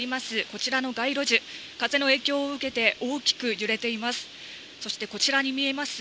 こちらの街路樹、風の影響を受けて大きく揺れています。